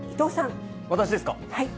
私ですか。